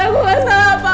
aku gak salah apa apa